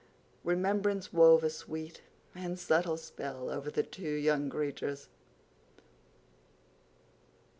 Remembrance wove a sweet and subtle spell over the two young creatures.